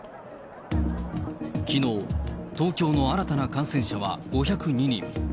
きのう、東京の新たな感染者は５０２人。